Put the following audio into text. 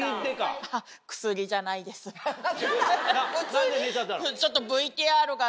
何で寝ちゃったの？